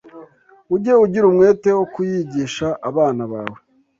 ujye ugira umwete wo kuyigisha abana bawe